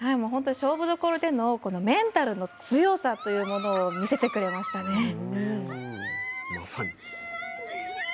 勝負どころでのメンタルの強さというものを見せてくれましたね。